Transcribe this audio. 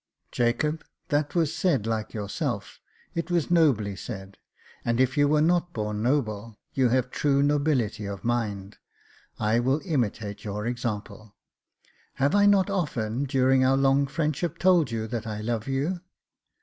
Jacob Faithful 407 " Jacob, that was said like yourself — it was nobly said ; and if you were not born noble, you have true nobility of mind. I will imitate your example. Have I not often, during our long friendship, told you that I love you